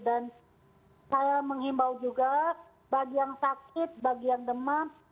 dan saya mengimbau juga bagi yang sakit bagi yang demam